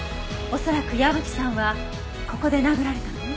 恐らく矢吹さんはここで殴られたのね。